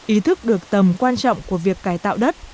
ý thức được tầm quan trọng của việc cải tạo đất